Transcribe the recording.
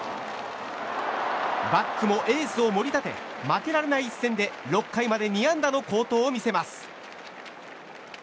バックもエースを盛り立て負けられない一戦で６回まで２安打の好投を見せます。